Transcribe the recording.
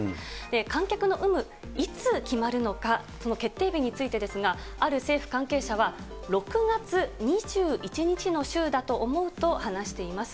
観客の有無、いつ決まるのか、その決定日についてですが、ある政府関係者は、６月２１日の週だと思うと話しています。